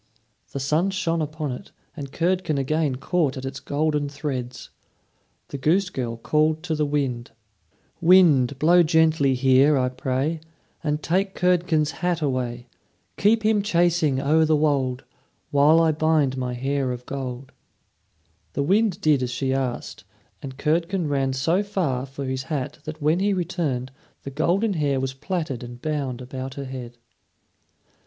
The sun shone upon it, and Curdken again caught at its golden threads. The goose girl called to the wind: "Wind, blow gently here, I pray, And take Curdken's hat away. Keep him chasing o'er the wold, While I bind my hair of gold." The wind did as she asked, and Curdken ran so far for his hat that when he returned the golden hair was plaited and bound about her head.